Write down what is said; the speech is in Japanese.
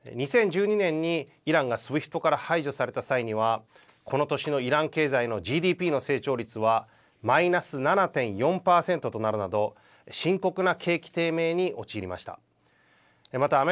２０１２年にイランがＳＷＩＦＴから排除された際にはこの年のイラン経済のＧＤＰの成長率はマイナス７．４％となるなど深刻な景気低迷に陥りました。